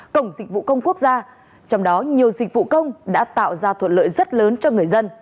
cổng dịch vụ công quốc gia trong đó nhiều dịch vụ công đã tạo ra thuận lợi rất lớn cho người dân